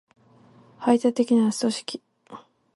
排他的な組織